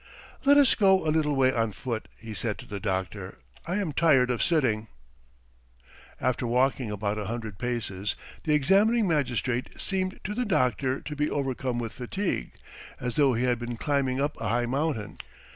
"Let us go a little way on foot," he said to the doctor. "I am tired of sitting." After walking about a hundred paces, the examining magistrate seemed to the doctor to be overcome with fatigue, as though he had been climbing up a high mountain.